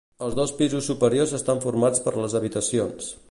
Els dos pisos superiors estan formats per les habitacions.